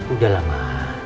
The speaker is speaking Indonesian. udah lah ma